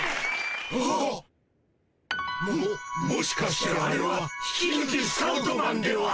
ももしかしてあれは引きぬきスカウトマンでは。